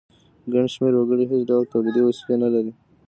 ګڼ شمیر وګړي هیڅ ډول تولیدي وسیلې نه لري.